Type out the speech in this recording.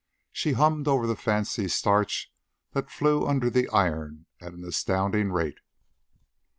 She hummed over the fancy starch that flew under the iron at an astounding rate.